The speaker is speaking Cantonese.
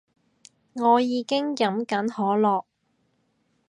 我已經飲緊可樂